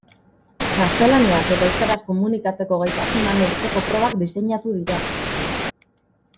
Gaztelaniaz eta euskaraz komunikatzeko gaitasuna neurtzeko probak diseinatu dira.